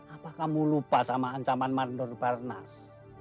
apa kamu lupa sama ancaman mandor barnas